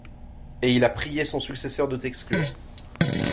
Et il a prié son successeur de t'exclure.